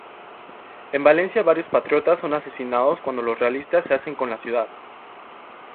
En Valencia varios patriotas son asesinados cuando los realistas se hacen con la ciudad.